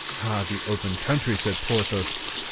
"Ah, the open country," said Porthos.